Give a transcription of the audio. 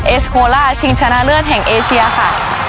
เอสโคล่าชิงชนะเลิศแห่งเอเชียค่ะ